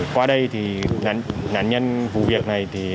qua đây thì nạn nhân vụ việc này thì